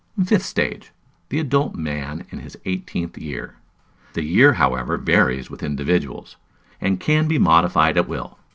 Fifth Stage. The adult man in his eighteenth year. The year, however, varies with individuals, and can be modified at will.